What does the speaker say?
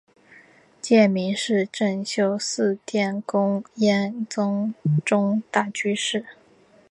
戒名是政秀寺殿功庵宗忠大居士。